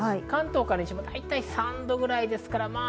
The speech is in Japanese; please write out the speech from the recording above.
関東から西も大体３度ぐらいですから。